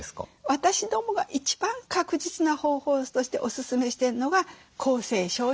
私どもが一番確実な方法としておすすめしてるのが公正証書遺言です。